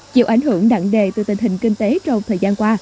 chịu ảnh hưởng nặng đề từ tình hình kinh tế trong thời gian qua